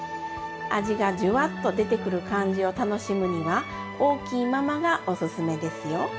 味がジュワッと出てくる感じを楽しむには大きいままがおすすめですよ。